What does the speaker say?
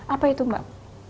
apa itu mbak